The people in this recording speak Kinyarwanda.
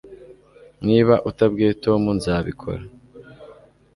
Niba utabwiye Tom nzabikora